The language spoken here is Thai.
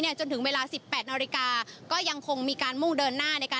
แน่นรู้สึกว่าภูมิทางของประเทศไทยเป็นอย่างไร